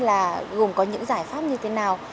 là gồm có những giải pháp như thế nào